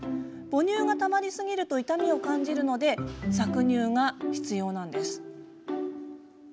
母乳がたまりすぎると痛みを感じるので搾乳が必要です。